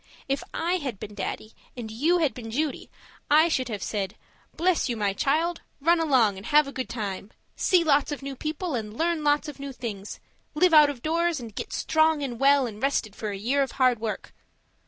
If I had been Daddy, and you had been Judy, I should have said, 'Bless you my child, run along and have a good time; see lots of new people and learn lots of new things; live out of doors, and get strong and well and rested for a year of hard work.'